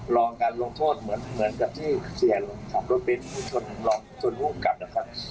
รองการลงโทษเหมือนเหมือนกับที่เสียลงครับรถเบ้นชนลองชนหุ้มกลับนะครับ